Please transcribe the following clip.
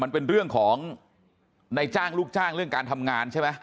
มันเป็นเรื่องของในจ้างลูกจ้างเรื่องการทำงานใช่ไหม